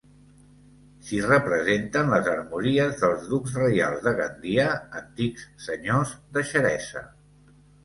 S'hi representen les armories dels ducs reials de Gandia, antics senyors de Xeresa.